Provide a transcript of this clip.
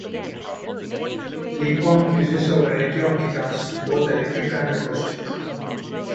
LeCompt uses a variety of guitars, both electric and acoustic.